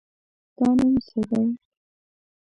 ستا نوم څه دی؟